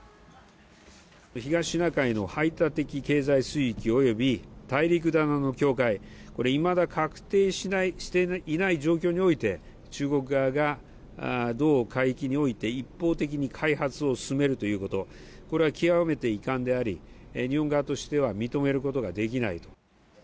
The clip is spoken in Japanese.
東シナ海の排他的経済水域および大陸棚の境界、これ、いまだ画定していない状況において、中国側が、同海域において一方的に開発を進めるということ、これは極めて遺憾であり、日本側としては認めることができないと。